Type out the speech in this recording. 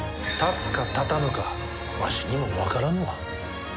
立つか立たぬかわしにも分からぬわ。